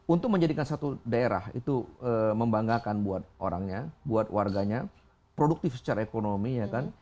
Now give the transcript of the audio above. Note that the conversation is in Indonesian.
untuk menjadikan satu daerah itu membanggakan buat orangnya buat warganya produktif secara ekonomi ya kan